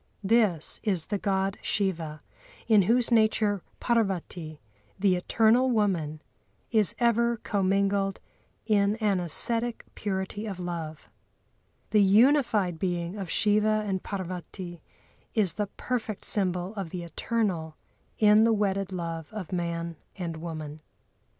This is the God Shiva, in whose nature Parvati, the eternal Woman, is ever commingled in an ascetic purity of love. The unified being of Shiva and Parvati is the perfect symbol of the eternal in the wedded love of man and woman.